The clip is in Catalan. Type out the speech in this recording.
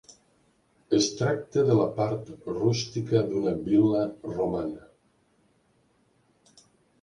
Es tracta de la part rústica d'una vil·la romana.